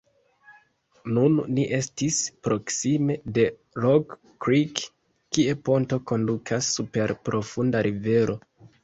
Nun ni estis proksime de Rock Creek, kie ponto kondukas super profunda rivero.